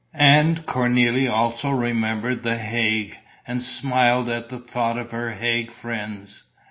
And Cornélie also remembered the Hague and smiled at the thought of her Hague friends.